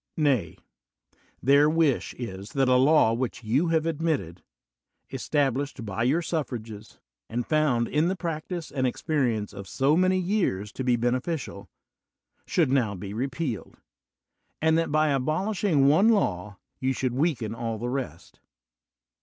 Nay, their wish is that a law which you have admitted, estab lished by your suffrages, and found in tihe prac tise and experience of so many years to be bene ficial, should now be repealed ; and that by abol ishing one law you should weaken all the rest.